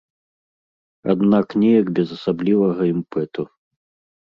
Аднак неяк без асаблівага імпэту.